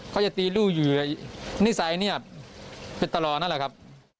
เขาจะตีลูกอยู่นิสัยเนี่ยเป็นตลอดนั่นแหละครับ